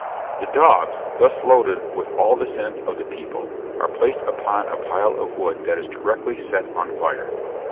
The dogs, thus loaded with all the sins of the people, are placed upon a pile of wood that is directly set on fire.